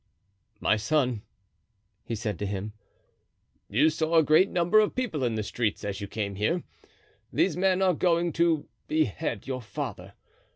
"My son," he said to him, "you saw a great number of people in the streets as you came here. These men are going to behead your father.